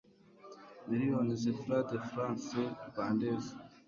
millions frw de francs rwandais